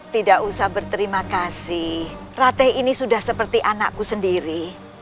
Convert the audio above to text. tidak usah berterima kasih rate ini sudah seperti anakku sendiri